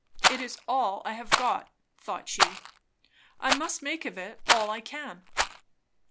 It is all I have got! thought she. I must make of it all I can.